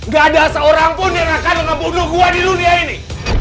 gak ada seorang pun yang akan mengebunuh hua di dunia ini